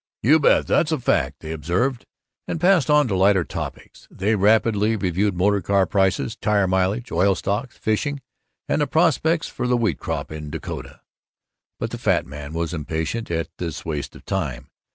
"You bet. That's a fact," they observed, and passed on to lighter topics. They rapidly reviewed motor car prices, tire mileage, oil stocks, fishing, and the prospects for the wheat crop in Dakota. But the fat man was impatient at this waste of time.